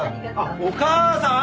お母さん？